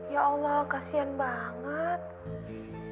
ya allah kasihan banget